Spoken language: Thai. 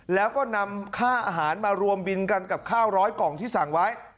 แล้วก็นำค่าอาหารมารวมบินกันกับข้าวร้อยกล่องที่สั่งไว้